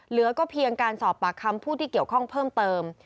เหลือก็เพียงการสอบปากคำผู้ที่เกี่ยวข้องเพิ่มเติม